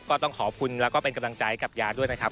ก็ต้องขอบคุณแล้วก็เป็นกำลังใจกับยาด้วยนะครับ